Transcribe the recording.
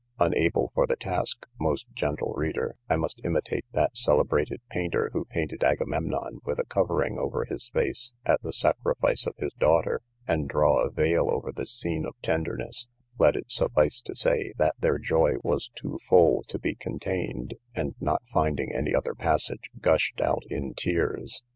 Unable for the task, most gentle reader, I must imitate that celebrated painter who painted Agamemnon with a covering over his face, at the sacrifice of his daughter, and draw a veil over this scene of tenderness; let it suffice to say, that their joy was too full to be contained, and, not finding any other passage, gushed out in tears.